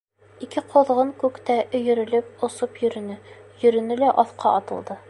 Ике ҡоҙғон күктә өйрөлөп осоп йөрөнө, йөрөнө лә аҫҡа атылды.